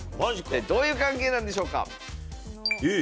どういう関係なんでしょうか。